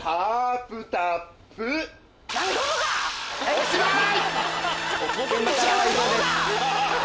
おしまい！